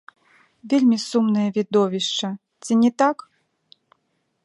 Вельмі сумнае відовішча, ці не так?